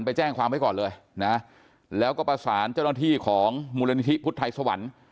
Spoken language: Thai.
ไปแจ้งความไว้ก่อนเลยนะแล้วก็ประสานเจ้าหน้าที่ของมูลนิธิพุทธไทยสวรรค์